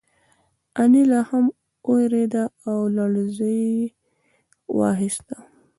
انیلا هم وورېده او لړزې واخیسته